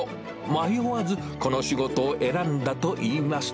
迷わずこの仕事を選んだといいます。